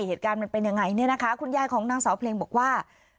เหตุการณ์มันเป็นยังไงเนี่ยนะคะคุณยายของนางสาวเพลงบอกว่า